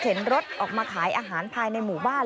รถออกมาขายอาหารภายในหมู่บ้าน